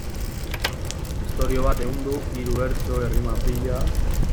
Istorio bat ehundu, hiru bertso, errima pila...